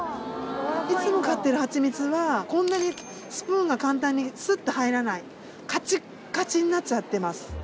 いつも買ってるハチミツはこんなにスプーンが簡単にスッて入らないカチッカチになっちゃってます。